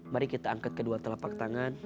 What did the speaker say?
mari kita angkat kedua telapak tangan